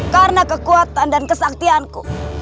karena kekuatan dan kesaktianku